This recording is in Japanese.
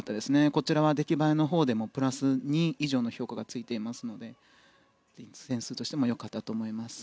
こちらは出来栄えのほうでもプラス２以上の評価がついていますので良かったと思います。